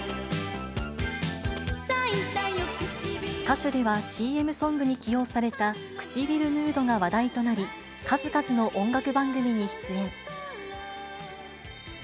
歌手では、ＣＭソングに起用された、くちびるヌードが話題となり、数々の音楽番組に出演。